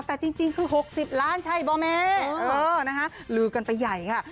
แต่จริงคือหกสิบล้านใช่บ้าแม่เออนะคะลือกันไปใหญ่ค่ะ